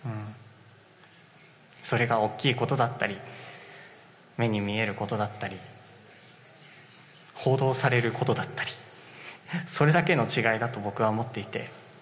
それが大きいことだったり目に見えることだったり報道されることだったりそれだけの違いだと僕は思っていて。